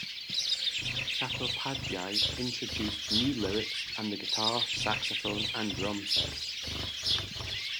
Chattopadhyay introduced new lyrics and the guitar, saxophone and drum set.